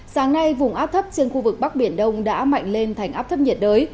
sáng nay vùng áp thấp trên khu vực bắc biển đông đã mạnh lên thành áp thấp nhiệt đới